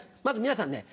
まず皆さん